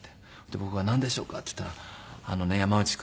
僕が「なんでしょうか？」って言ったら「あのね山内君